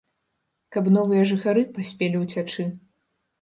Каб новыя жыхары паспелі ўцячы.